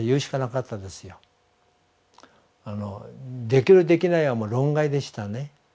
できるできないはもう論外でしたね。